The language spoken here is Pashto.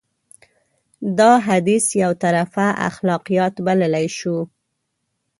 دا حديث يو طرفه اخلاقيات بللی شو.